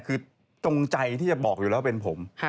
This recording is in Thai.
คือจงใจที่จะบอกอยู่แล้วเป็นผม